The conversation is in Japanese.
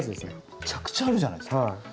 めちゃくちゃあるじゃないですか。